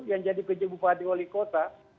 yang jadi pj bupati wali kota